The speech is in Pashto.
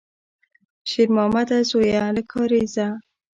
شېرمامده زویه، له کارېزه!